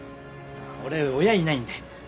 俺親いないんで。